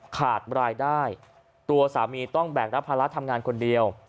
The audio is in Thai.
ขาดรายได้ตัวสามีต้องแบกรับภาระทำงานคนเดียว